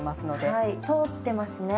はい通ってますね。